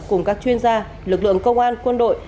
cùng các chuyên gia lực lượng công an quân đội